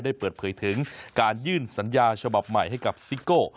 ได้เปิดเผยถึงการยื่นสัญญาฉบับใหม่ให้กับซิโก้